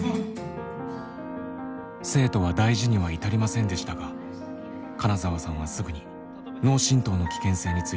生徒は大事には至りませんでしたが金澤さんはすぐに脳震とうの危険性について勉強会を実施。